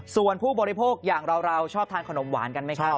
ส่วนผู้บริโภคอย่างเราชอบทานขนมหวานกันไหมครับ